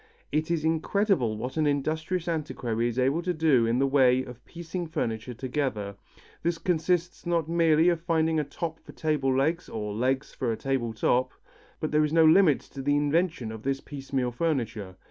It is incredible what an industrious antiquary is able to do in the way of piecing furniture together. This consists not merely of finding a top for table legs, or legs for a table top, but there is no limit to the invention of this piecemeal furniture.